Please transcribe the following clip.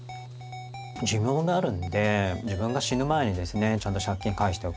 寿命があるんで自分が死ぬ前にですねちゃんと借金返しておかないとですね